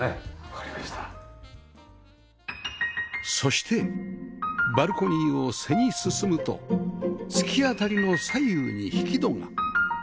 そしてバルコニーを背に進むと突き当たりの左右に引き戸が